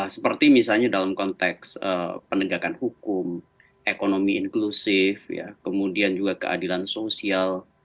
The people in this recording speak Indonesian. seperti misalnya dalam konteks penegakan hukum ekonomi inklusif kemudian juga keadilan sosial